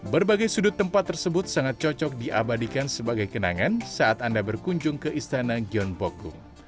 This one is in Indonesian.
berbagai sudut tempat tersebut sangat cocok diabadikan sebagai kenangan saat anda berkunjung ke istana gyeonbokgung